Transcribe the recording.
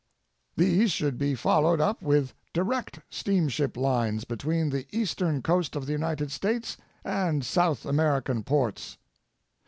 These should be followed up with direct steamship lines between the eastern coast of the United States and South American ports.